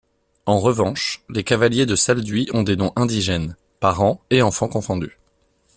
En revanche, les cavaliers de Salduie ont des noms indigènes, parents et enfants confondus.